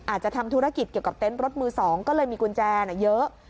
อาจจะทำธุรกิจเกี่ยวกับเต้นรถมือสองและให้มีกุญแจเยอะ